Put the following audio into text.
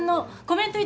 コメント？